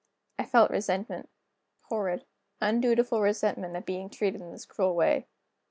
I felt resentment; horrid, undutiful resentment, at being treated in this cruel way.